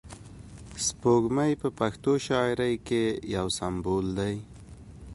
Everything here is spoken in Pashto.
سپوږمۍ په پښتو شاعري کښي یو سمبول دئ.